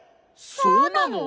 そうなの？